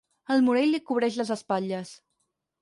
El Morell li cobreix les espatlles.